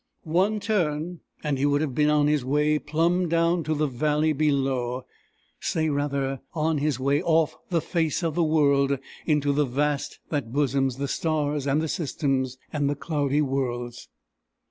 One turn, and he would have been on his way, plumb down, to the valley below say, rather, on his way off the face of the world into the vast that bosoms the stars and the systems and the cloudy worlds.